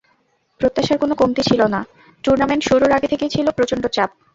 প্রত্যাশার কোনো কমতি ছিল না, টুর্নামেন্ট শুরুর আগে থেকেই ছিল প্রচণ্ড চাপ।